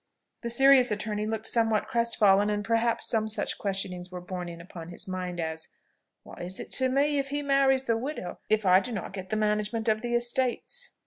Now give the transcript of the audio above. The serious attorney looked somewhat crestfallen, and perhaps some such questionings were borne in upon his mind as "What is it to me if he marries the widow, if I do not get the management of the estates?"